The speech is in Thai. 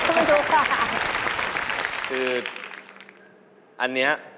วิเคราะห์มาค่ะ